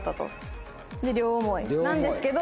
で両思いなんですけど。